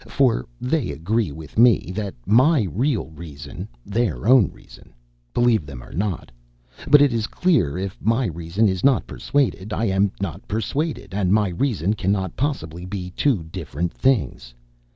For they agree with me, that my real reason, their own reason, believe them not; but it is clear if my reason is not persuaded, I am not persuaded, and my reason cannot possibly be two different beings.